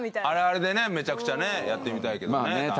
あれはあれでねめちゃくちゃやってみたいけどね。